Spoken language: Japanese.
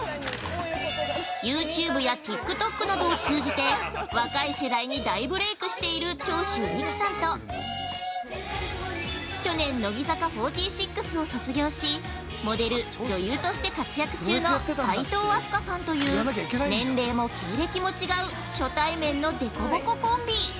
ユーチューブやＴｉｋＴｏｋなどを通じて若い世代に大ブレークしている長州力さんと去年、乃木坂４６を卒業しモデル、女優として活躍中の齋藤飛鳥さんという年齢も経歴も違う初対面の凸凹コンビ。